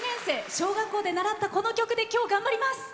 小学校で習った、この曲で今日頑張ります。